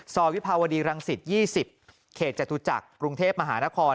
วิภาวดีรังสิต๒๐เขตจตุจักรกรุงเทพมหานคร